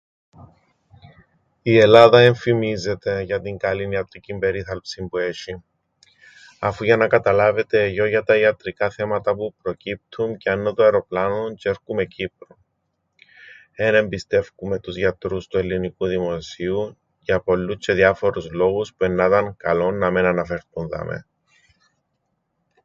Η Ελλάδα εν φημίζεται για την καλήν ιατρικήν περίθαλψην που έσ̆ει. Αφού για να καταλάβετε εγιώ για τα ιατρικά θέματα που προκύπτουν πιάννω το αεροπλάνον τζ̆αι έρκουμαι Κύπρον. Εν εμπιστεύκουμαι τους γιατρούς του ελληνικού δημοσίου για πολλούς τζ̆αι διάφορους λόγους που εννά 'ταν καλόν να μεν αναφερτούν δαμαί.